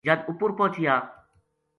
جد اپر پوہچیا